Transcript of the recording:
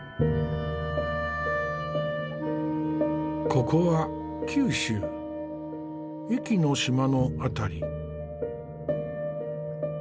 ここは九州壱岐島の辺り。